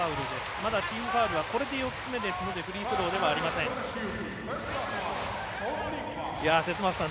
まだチームがこれで４つですのでフリースローではありません。